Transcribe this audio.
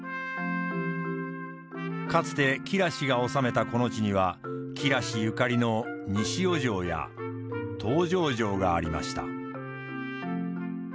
かつて吉良氏が治めたこの地には吉良氏ゆかりの西尾城や東条城がありました。